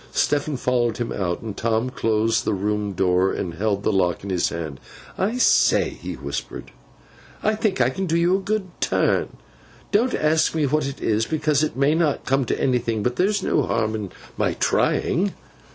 Stephen followed him out, and Tom closed the room door, and held the lock in his hand. 'I say!' he whispered. 'I think I can do you a good turn. Don't ask me what it is, because it may not come to anything. But there's no harm in my trying.